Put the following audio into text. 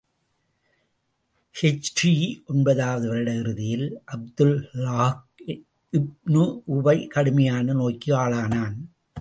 ஹிஜ்ரீ ஒன்பதாவது வருட இறுதியில், அப்துல்லாஹ் இப்னு உபை கடுமையான நோய்க்கு ஆளானான்.